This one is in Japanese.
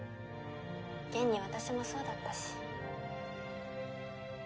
現に私もそうだったし。